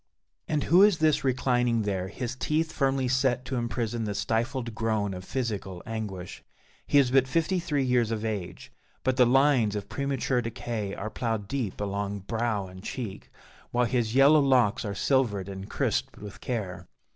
And who is this reclining there, his teeth firmly set to imprison the stifled groan of physical anguish? He is but fifty three years of age, but the lines of premature decay are ploughed deep along brow and cheek, while his yellow locks are silvered and crisped with care.